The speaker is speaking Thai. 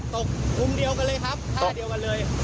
กลุ่มเดียวกันเลยครับท่าเดียวกันเลย